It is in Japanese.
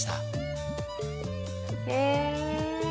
へえ。